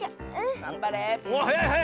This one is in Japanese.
がんばれ！